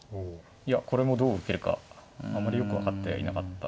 いやこれもどう受けるかあまりよく分かってはいなかったんですが。